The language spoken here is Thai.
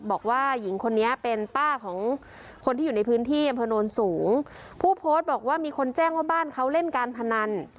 บอกว่าหญิงคนนี้เป็นป้าของคนที่อยู่ในพื้นที่อำเภอโนนสูงผู้โพสต์บอกว่ามีคนแจ้งว่าบ้านเขาเล่นการพนัน